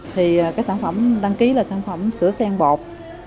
thì cái sản phẩm đăng ký là sản phẩm sữa sen bột